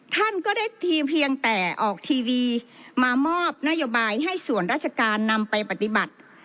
ท่านก็ได้ทีเพียงแต่ออกทีวีมามอบนโยบายให้ส่วนราชการนำไปปฏิบัติ